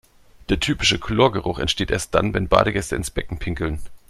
Der typische Chlorgeruch entsteht erst dann, wenn Badegäste ins Becken pinkeln.